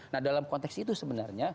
nah dalam konteks itu sebenarnya